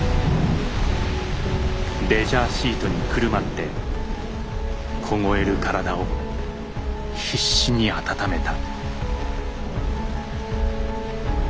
レジャーシートにくるまって凍える体を必死に温めた。